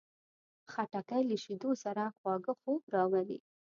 خټکی له شیدو سره خواږه خوب راولي.